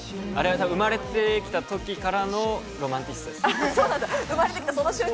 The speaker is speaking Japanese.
生まれてきてからのロマンチストです。